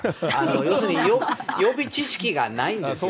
要するに予備知識がないんですよ。